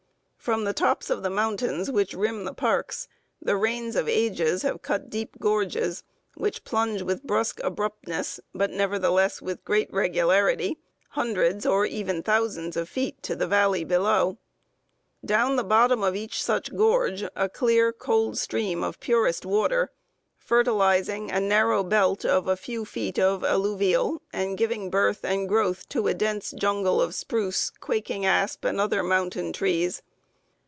"From the tops of the mountains which rim the parks the rains of ages have cut deep gorges, which plunge with brusque abruptness, but nevertheless with great regularity, hundreds or even thousands of feet to the valley below. Down the bottom of each such gorge a clear, cold stream of purest water, fertilizing a narrow belt of a few feet of alluvial, and giving birth and growth, to a dense jungle of spruce, quaking asp, and other mountain trees.